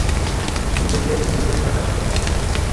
তুমি বললে তুমি ম্যাসাজ করার কাজ করো?